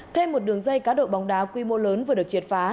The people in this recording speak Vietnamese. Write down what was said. thêm một đường dây cá độ bóng đá quy mô lớn vừa được triệt phá